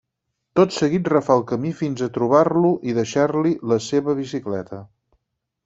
Tot seguit refà el camí fins a trobar-lo i deixar-li la seva bicicleta.